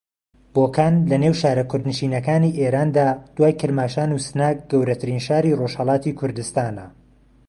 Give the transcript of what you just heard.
بۆکان لە نێو شارە کوردنشینەکانی ئێراندا دوای کرماشان و سنە گەورەترین شاری ڕۆژھەڵاتی کوردستانە